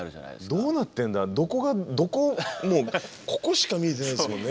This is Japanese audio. どうなってんだどこがもうここしか見えてないですもんね。